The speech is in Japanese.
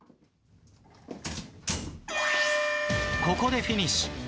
ここでフィニッシュ。